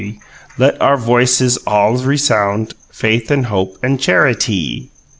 Let our voy siz all resound Faith and hope and charitee!"